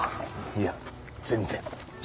いや全然。